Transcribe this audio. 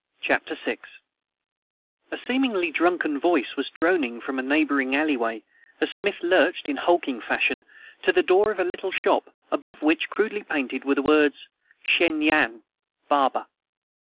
CHAPTER VI A SEEMINGLY drunken voice was droning from a neighboring alleyway as Smith lurched in hulking fashion to the door of a little shop above which, crudely painted, were the words: "SHEN YAN, Barber."